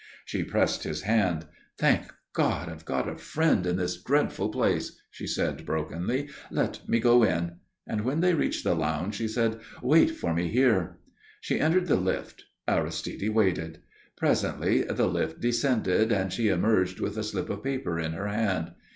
She pressed his hand. "Thank God, I've got a friend in this dreadful place," she said brokenly. "Let me go in." And when they reached the lounge, she said, "Wait for me here." She entered the lift. Aristide waited. Presently the lift descended and she emerged with a slip of paper in her hand.